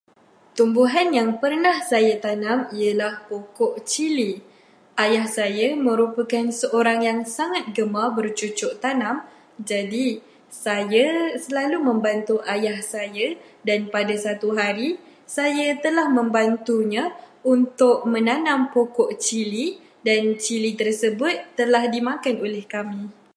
Tumbuhan yang pernah saya tanam ialah pokok cili. Ayah saya merupakan seorang yang sangat gemar bercucuk tanam, jadi saya selalu membantu ayah saya, dan pada suatu hari, saya telah membantunya untuk menanam pokok cili dan cili tersebut telah dimakan oleh kami.